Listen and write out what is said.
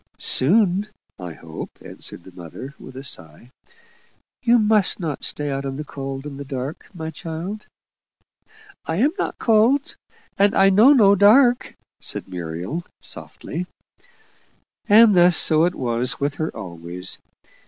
"Soon, I hope," answered the mother, with a sigh. "You must not stay out in the cold and the dark, my child." "I am not cold, and I know no dark," said Muriel, softly. And thus so it was with her always.